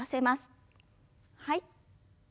はい。